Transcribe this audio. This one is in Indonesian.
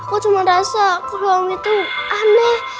aku cuma rasa kalau om itu aneh